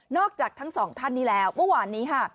อกจากทั้งสองท่านนี้แล้วเมื่อวานนี้ค่ะ